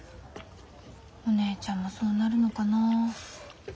お姉ちゃんもそうなるのかなあ。